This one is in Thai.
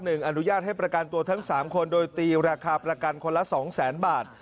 อนุญาตให้ประกันตัวทั้ง๓คนโดยตีราคาประกันคนละสองแสนบาท